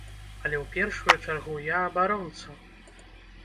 Але ў першую чаргу я абаронца.